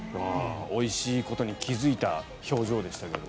おいしいことに気付いた表情でしたけど。